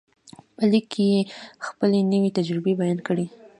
په لیک کې یې خپلې نوې تجربې بیان کړې